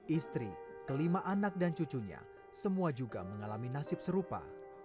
istri kelima anak dan cucunya semua juga mengalami nasib serupa